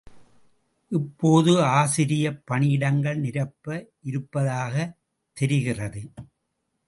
இப்போது ஆசிரியப் பணியிடங்கள் நிரப்ப இருப்பதாகத் தெரிகிறது.